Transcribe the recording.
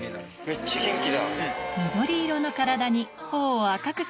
めっちゃ元気だ！